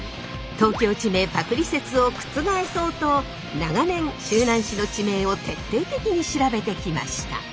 東京地名パクリ説を覆そうと長年周南市の地名を徹底的に調べてきました。